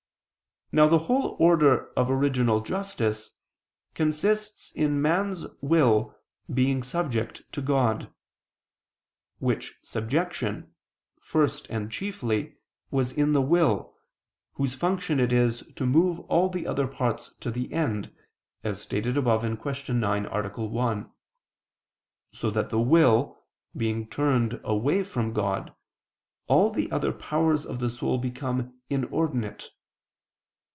Now the whole order of original justice consists in man's will being subject to God: which subjection, first and chiefly, was in the will, whose function it is to move all the other parts to the end, as stated above (Q. 9, A. 1), so that the will being turned away from God, all the other powers of the soul become inordinate.